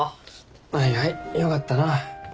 はいはいよかったな。